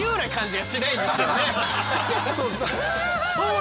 そう。